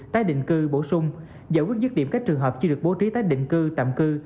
tái định cư bổ sung giải quyết dứt điểm các trường hợp chưa được bố trí tái định cư tạm cư